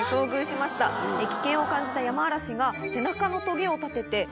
危険を感じたヤマアラシが。